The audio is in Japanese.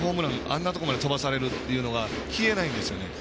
あんなところまで飛ばされる？というのが消えないんですよね。